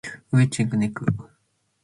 Ue chiec nec